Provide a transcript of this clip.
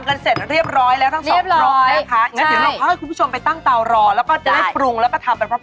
เก่งท้องด้วย